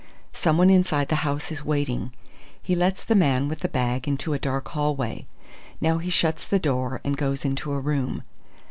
Someone inside the house is waiting. He lets the man with the bag into a dark hallway. Now he shuts the door and goes into a room.